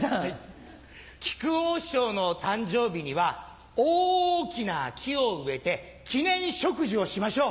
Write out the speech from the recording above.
木久扇師匠の誕生日には大きな木を植えて記念植樹をしましょう。